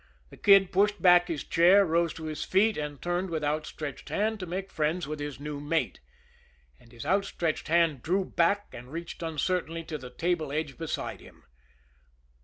The Kid pushed back his chair, rose to his feet, and turned with outstretched hand to make friends with his new mate and his outstretched hand drew back and reached uncertainly to the table edge beside him.